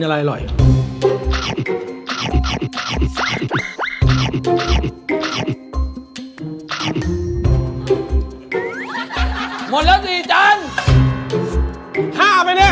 ใครหลอกกูบ้างดีกว่า